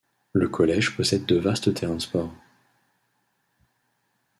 Le collège possède de vastes terrains de sports.